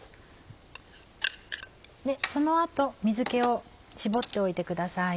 その後水気を絞っておいてください。